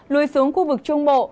lùi xuống khu vực trung bộ